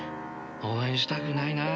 応援したくないな。